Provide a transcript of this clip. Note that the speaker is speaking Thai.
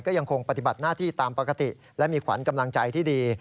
ก็ยังคงปฏิบัติหน้าที่ตามปกติและมีขวัญกำลังใจที่ดี